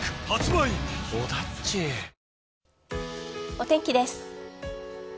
お天気です。